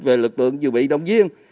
về lực lượng dự bị động viên